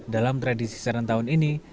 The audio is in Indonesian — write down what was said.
dalam tradisi seretan tahun ini